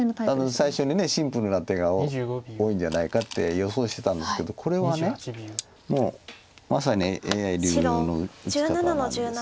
最初にシンプルな手が多いんじゃないかって予想してたんですけどこれはもうまさにＡＩ流の打ち方なんです。